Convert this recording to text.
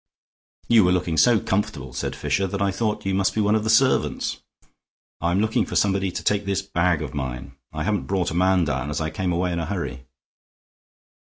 "You were looking so comfortable," said Fisher, "that I thought you must be one of the servants. I'm looking for somebody to take this bag of mine; I haven't brought a man down, as I came away in a hurry."